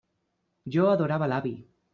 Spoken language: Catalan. Jo adorava l'avi.